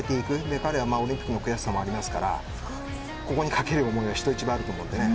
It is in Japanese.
彼はオリンピックの悔しさもありますからここに懸ける思いは人一倍あると思うのでね。